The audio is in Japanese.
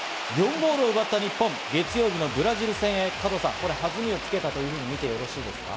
４ゴールを奪った日本、月曜日のブラジル戦へ弾みをつけたとみてよろしいですか？